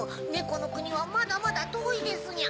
このくにはまだまだとおいですにゃ。